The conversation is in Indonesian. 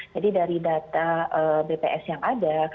jadi dari data bps yang ada